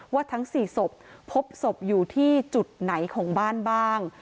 ทั้ง๔ศพพบศพอยู่ที่จุดไหนของบ้านบ้าง